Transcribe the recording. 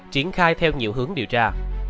triển khai theo nhiều hướng điều tra